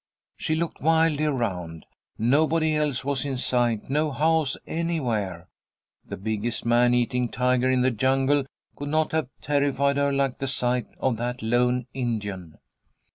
She looked wildly around. Nobody else was in sight, no house anywhere. The biggest man eating tiger in the jungles could not have terrified her like the sight of that lone Indian.